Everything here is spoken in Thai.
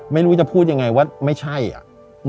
ไม่รู้จะพูดยังไงว่าไม่ใช่อ่ะ